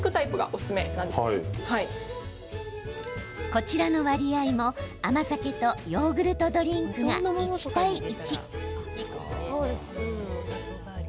こちらの割合も甘酒とヨーグルトドリンクが１対１。